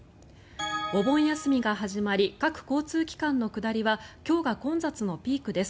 お盆休みが始まり各交通機関の下りは今日が混雑のピークです。